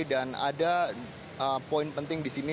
dan ada poin penting disini